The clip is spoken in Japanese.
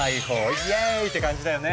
イェーイ！って感じだよね。